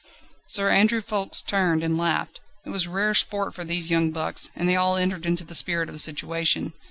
_" Sir Andrew Ffoulkes turned, and laughed. It was rare sport for these young bucks, and they all entered into the spirit of the situation.